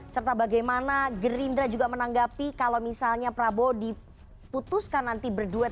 serta bagaimana gerindra juga menanggapi kalau misalnya prabowo diputuskan nanti berduet